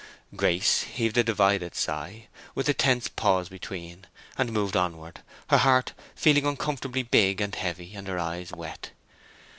Grace heaved a divided sigh, with a tense pause between, and moved onward, her heart feeling uncomfortably big and heavy, and her eyes wet.